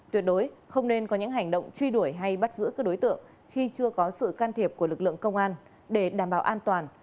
tuyệt đối không nên có những hành động truy đuổi hay bắt giữ các đối tượng khi chưa có sự can thiệp của lực lượng công an để đảm bảo an toàn